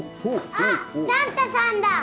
あっサンタさんだ！